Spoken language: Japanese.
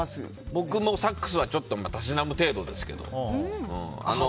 僕もサックスはたしなむ程度ですけど。